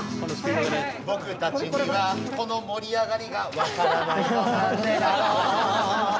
「僕たちにはこの盛り上がりがわからないのなんでだろ」